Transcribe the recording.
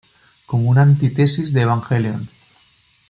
Como una antítesis de "Evangelion"".